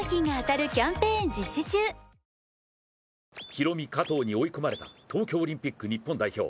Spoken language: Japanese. ヒロミ、加藤に追い込まれた東京オリンピック日本代表。